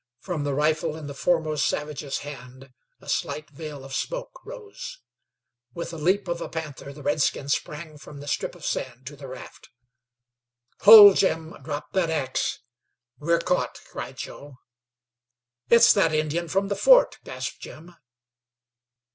From the rifle in the foremost savage's hand a slight veil of smoke rose. With the leap of a panther the redskin sprang from the strip of sand to the raft. "Hold, Jim! Drop that ax! We're caught!" cried Joe. "It's that Indian from the fort!" gasped Jim.